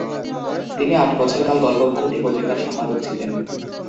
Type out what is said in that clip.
তিনি আট বছর কাল গল্পভারতী পত্রিকার সম্পাদক ছিলেন।